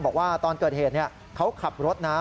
บอกว่าตอนเกิดเหตุเขาขับรถนะ